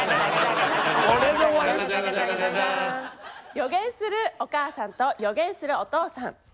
「予言するお母さんと予言するお父さん」。